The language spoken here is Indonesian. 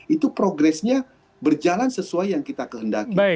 itu progresnya berjalan sesuai yang kita kehendaki